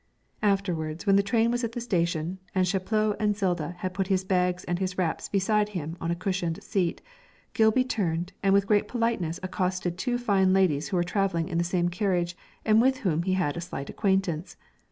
Afterwards, when the train was at the station, and Chaplot and Zilda had put his bags and his wraps beside him on a cushioned seat, Gilby turned and with great politeness accosted two fine ladies who were travelling in the same carriage and with whom he had a slight acquaintance.